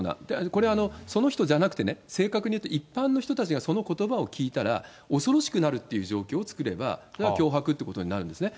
これ、その人じゃなくてね、正確に言うと、一般の人たちがそのことばを聞いたら、恐ろしくなるっていう状況を作れば、それは脅迫ってことになるんですね。